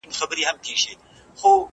نن دي بیا اوږدو نکلونو ته زړه کیږي `